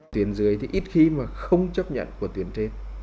tuyến dưới thì ít khi mà không chấp nhận của tuyến trên